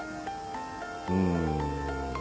うん。